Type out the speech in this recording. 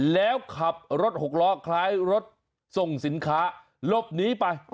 แล้วขับรถหกล้อคล้ายรถส่งสินค้าหลบหนีไป